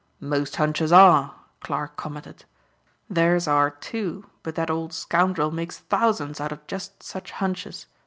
"Most hunches are," Clarke commented. "Theirs are, too, but that old scoundrel makes thousands out of just such hunches.